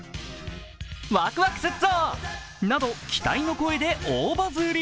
わくわくすっぞなど期待の声で大バズリ。